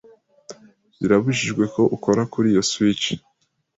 Birabujijwe ko ukora kuri iyo switch.